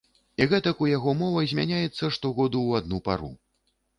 І гэтак у яго мова змяняецца штогоду ў адну пару.